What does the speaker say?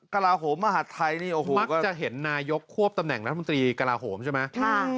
จะเห็นนายยกขวบตำแหน่งรัฐมนตรีกะลาโหมใช่ไหม